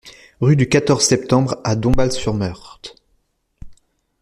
Rue du quatorze Septembre à Dombasle-sur-Meurthe